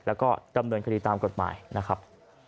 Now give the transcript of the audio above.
แล้วก็ดำเนินคดีตามกฎหมายนะครับ